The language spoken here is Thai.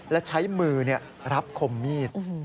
และใช้มือรับคมมีด